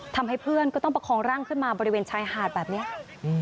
ทำให้เพื่อนก็ต้องประคองร่างขึ้นมาบริเวณชายหาดแบบนี้